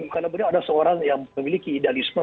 kalau beliau ada seorang yang memiliki idealisme